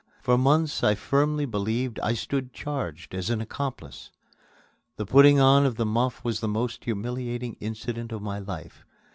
For months I firmly believed I stood charged as an accomplice. The putting on of the muff was the most humiliating incident of my life.